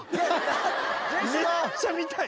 めっちゃ見たい！